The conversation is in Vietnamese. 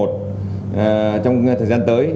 trong thời gian tới